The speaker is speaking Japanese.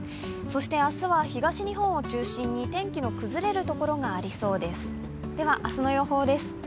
そして明日は東日本を中心に天気の崩れる所がありそうです。